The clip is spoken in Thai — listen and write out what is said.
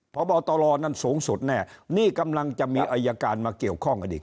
พบตรนั้นสูงสุดแน่นี่กำลังจะมีอายการมาเกี่ยวข้องกันอีก